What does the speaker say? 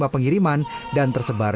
pengiriman dan tersebar